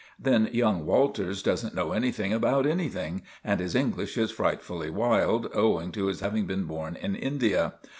Then young Walters doesn't know anything about anything, and his English is frightfully wild, owing to his having been born in India.